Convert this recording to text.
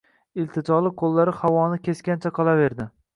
Iltijoli qo‘llari havoni kesgancha qolaverdi.